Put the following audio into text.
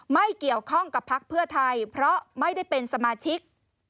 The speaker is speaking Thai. ไม่เกี่ยวข้องกับพักเพื่อไทยเพราะไม่ได้เป็นสมาชิก